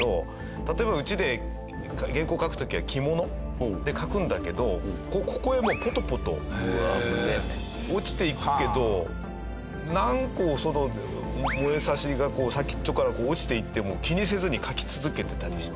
例えばうちで原稿を書く時は着物で書くんだけどここへもうポトポト落ちていくけど何個その燃えさしが先っちょから落ちていっても気にせずに書き続けてたりして。